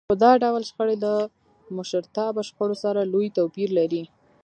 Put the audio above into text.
خو دا ډول شخړې له مشرتابه شخړو سره لوی توپير لري.